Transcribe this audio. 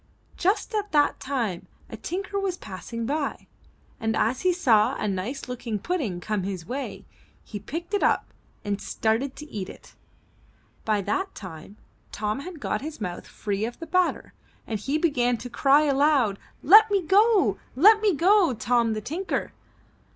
Just at that time a tinker was passing by, and as he saw a nice looking pudding coming his way, he picked it up and started to eat it. By that time, Tom had got his mouth free of the batter and he began to cry aloud: ^Tet me go! Let me go, Tom the Tinker!''